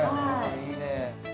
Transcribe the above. いいね。